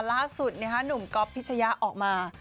ล่าสุดนี่ค่ะหนุ่มก๊อปพิชยะออกมา